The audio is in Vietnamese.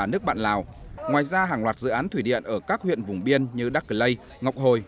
ngoài ra hàng loạt dự án thủy điện ở các huyện vùng biên như đắk lây ngọc hồi